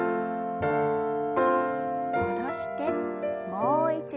戻してもう一度。